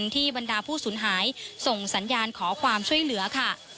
บรรดาผู้สูญหายส่งสัญญาณขอความช่วยเหลือค่ะ